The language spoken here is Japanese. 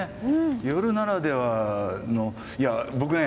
夜ならではのいや僕ね